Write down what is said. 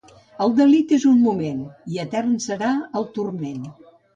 El delit és un moment i etern serà el turment.